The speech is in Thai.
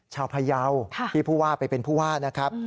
ชาวพยาวที่ผู้ว่าไปเป็นผู้ว่านะครับ